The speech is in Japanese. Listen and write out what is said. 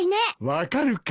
分かるか。